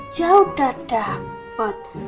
jauh udah dapat